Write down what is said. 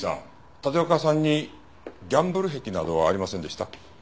立岡さんにギャンブル癖などはありませんでした？